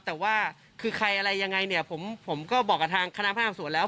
แต่ว่าคือใครอะไรยังไงเนี่ยผมก็บอกกับทางคณะพนักงานสวนแล้ว